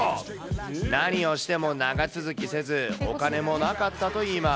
何をしても長続きせず、お金もなかったといいます。